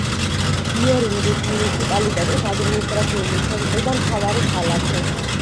იერინგის მუნიციპალიტეტის ადმინისტრაციული ცენტრი და მთავარი ქალაქი.